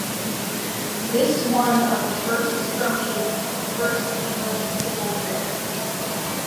This one of the first skirmishes of the First English Civil War.